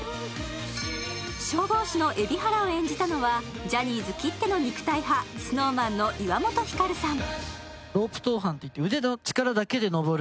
消防士に蛯原を演じたのはジャニーズきっての肉体派、ＳｎｏｗＭａｎの岩本照さん。